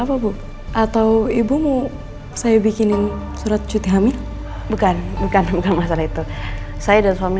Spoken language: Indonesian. apa bu atau ibu mau saya bikinin surat cuti hamil bukan bukan masalah itu saya dan suami